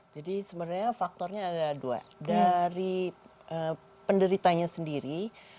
jadi sebenarnya faktornya ada dua dari penderitanya sendiri